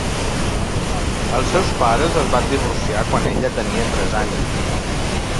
Els seus pares es van divorciar quan ella tenia tres anys.